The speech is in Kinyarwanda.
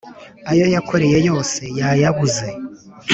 ayo yakoreye yose yayabuze